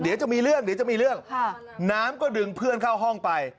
เดี๋ยวจะมีเรื่องน้ำก็ดึงเพื่อนเข้าห้องไป